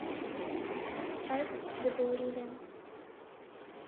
Ez diborînim.